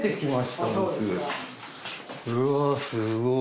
うわぁすごい！